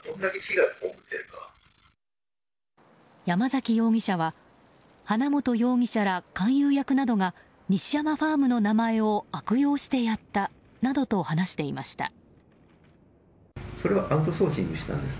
山崎容疑者は花本容疑者ら勧誘役などが西山ファームの名前を悪用してやったと話していました。